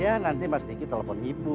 ya nanti mas diki telepon ibu